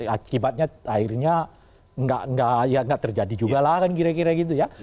akibatnya akhirnya nggak terjadi juga lah kan kira kira gitu ya